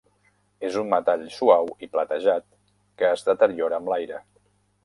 És un metall suau i platejat que es deteriora amb l'aire.